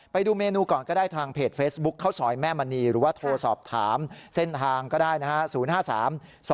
ไปดูเมนูก่อนก็ได้ทางเพจเฟซบุ๊คข้าวซอยแม่มณีหรือว่าโทรสอบถามเส้นทางก็ได้นะฮะ